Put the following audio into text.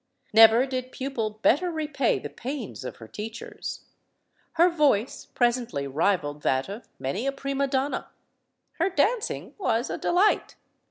Never did pupil better repay the pains of her teachers. Her voice presently rivaled that of many a prima donna. Her dancing was a delight.